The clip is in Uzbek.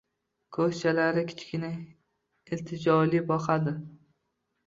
Ko`zchalari kichkina, iltijoli boqadi